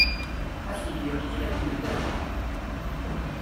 Ad tent-yeqbel akken llant.